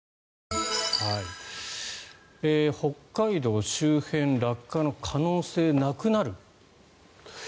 北海道周辺落下の可能性なくなる。